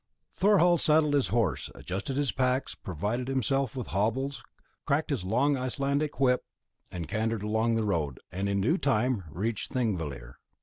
Thorhall saddled his horses, adjusted his packs, provided himself with hobbles, cracked his long Icelandic whip, and cantered along the road, and in due time reached Thingvellir.